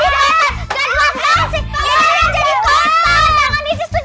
iya justru yang tak lemah justru yang lagi marahin bu ted